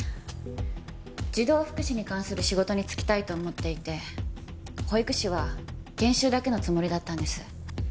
児童福祉に関する仕事に就きたいと思っていて保育士は研修だけのつもりだったんです。